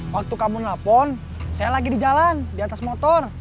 waktu kamu nelfon saya lagi di jalan di atas motor